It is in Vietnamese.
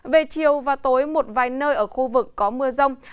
về chiều và tối một vài nơi ở khu vực có mưa rông